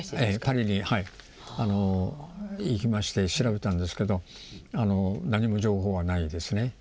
パリに行きまして調べたんですけど何も情報はないですね。